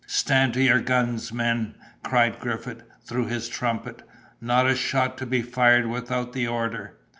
"Stand to your guns, men!" cried Griffith, through his trumpet; "not a shot is to be fired without the order."